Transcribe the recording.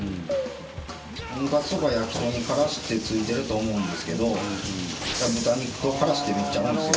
とんかつとかやきとんにからしって付いてると思うんですけど豚肉とからしってめっちゃ合うんですよ。